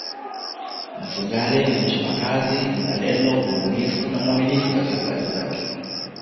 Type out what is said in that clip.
Mfugale ni mchapakazi mzalendo mbunifu na mwaminifu katika kazi zake